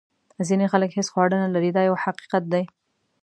ځینې خلک هیڅ خواړه نه لري دا یو حقیقت دی.